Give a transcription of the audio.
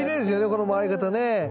この回り方ね。